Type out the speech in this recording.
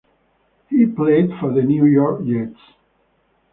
He played for the New York Jets.